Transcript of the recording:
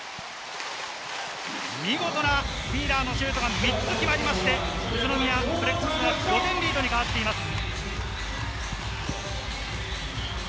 見事なフィーラーのシュートが３つ決まりまして、宇都宮ブレックスが５点リードに変わっています。